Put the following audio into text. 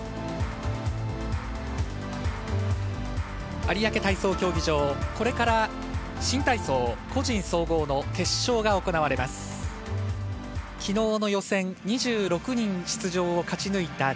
有明体操競技場、これから新体操を個人総合の決勝が行われます。